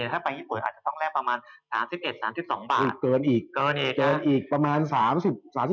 ถ้าไปญี่ปุ่นอาจจะต้องแลกประมาณ๓๑๓๒บาท